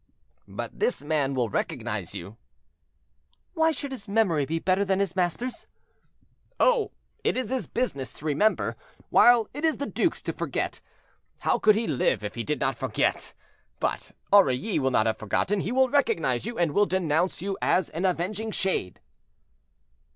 "But this man will recognize you." "Why should his memory be better than his master's?" "Oh! it is his business to remember, while it is the duke's to forget. How could he live if he did not forget? But Aurilly will not have forgotten; he will recognize you, and will denounce you as an avenging shade."